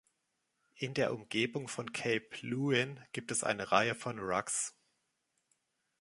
In der Umgebung von Cape Leeuwin gibt es eine Reihe von Wracks.